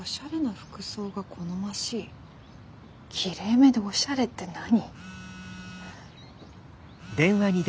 きれいめでおしゃれって何？